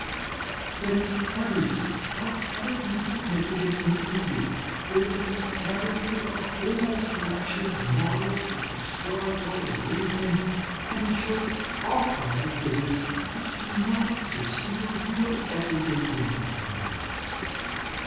But in every city, however insignificant it may be, there is an academy with a whole selection of models for historical, Arabian, and in short, all kinds of figures, which do not exist in the real everyday world of Europe.